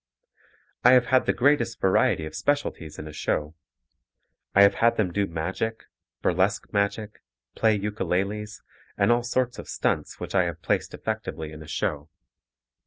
I have had the greatest variety of specialties in a show. I have had them do magic, burlesque magic, play ukuleles, and all sorts of stunts which I have placed effectively in a show.